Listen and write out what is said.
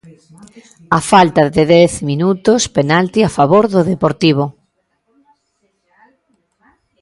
A falta de dez minutos penalti a favor do Deportivo.